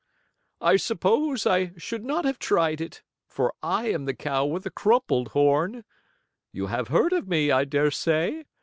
"I suppose I should not have tried it, for I am the cow with the crumpled horn. You have heard of me, I dare say.